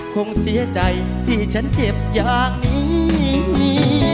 คงเสียใจที่ฉันเจ็บอย่างนี้